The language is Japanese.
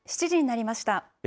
７時になりました。